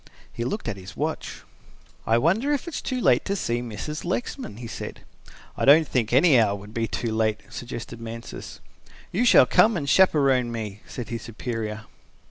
He looked at his watch. "I wonder if it is too late to see Mrs. Lexman," he said. "I don't think any hour would be too late," suggested Mansus. "You shall come and chaperon me," said his superior.